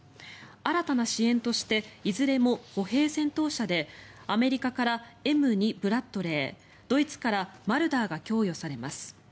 新たな支援としていずれも歩兵戦闘車でアメリカからＭ２ブラッドレードイツからマルダーが供与されます。